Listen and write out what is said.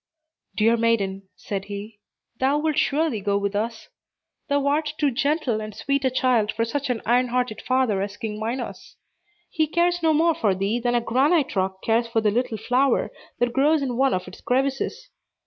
"Dear maiden," said he, "thou wilt surely go with us. Thou art too gentle and sweet a child for such an iron hearted father as King Minos. He cares no more for thee than a granite rock cares for the little flower that grows in one of its crevices.